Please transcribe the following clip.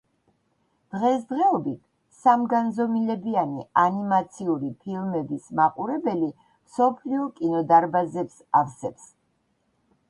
დღესდღეობით, სამგანზომილებიანი ანიმაციური ფილმების მაყურებელი მსოფლიო კინოდარბაზებს ავსებს.